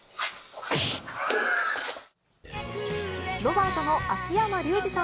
ロバートの秋山竜次さん